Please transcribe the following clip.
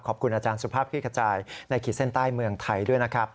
ขอบคุณอาจารย์สุภาพคลี่ขจายในขีดเส้นใต้เมืองไทยด้วยนะครับ